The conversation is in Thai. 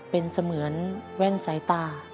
เป็นเสมือนแว่นสายตา